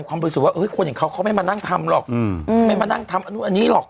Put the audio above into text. ความรู้สึกว่าคนอย่างเขาเขาไม่มานั่งทำหรอกไม่มานั่งทำอันนี้หรอก